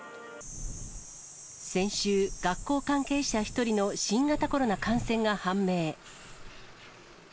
先週、学校関係者１人の新型コロナ感染が判明。